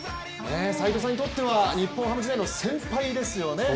斎藤さんにとっては日本ハム時代の先輩ですよね。